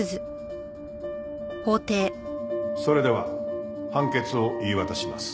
それでは判決を言い渡します。